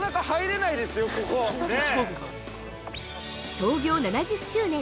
◆創業７０周年！